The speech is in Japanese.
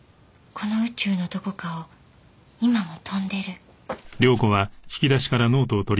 この宇宙のどこかを今も飛んでる。